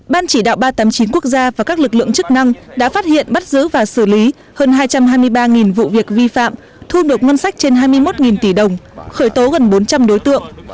ban chỉ đạo ba trăm tám mươi chín quốc gia và các lực lượng chức năng đã phát hiện bắt giữ và xử lý hơn hai trăm hai mươi ba vụ việc vi phạm thu nộp ngân sách trên hai mươi một tỷ đồng khởi tố gần bốn trăm linh đối tượng